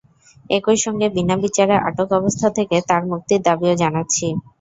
একই সঙ্গে বিনা বিচারে আটক অবস্থা থেকে তাঁর মুক্তির দাবিও জানাচ্ছি।